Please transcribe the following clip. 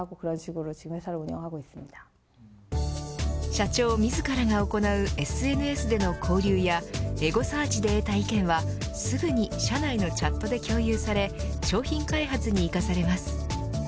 社長自らが行うＳＮＳでの交流やエゴサーチで得た意見はすぐに社内のチャットで共有され商品開発に生かされます。